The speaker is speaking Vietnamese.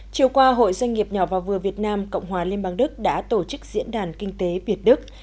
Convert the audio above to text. chiều qua hội doanh nghiệp nhỏ và vừa việt nam cộng hòa liên bang đức đã tổ chức diễn đàn kinh tế việt đức